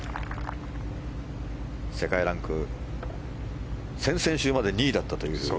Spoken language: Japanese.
世界ランク先々週まで２位だったという。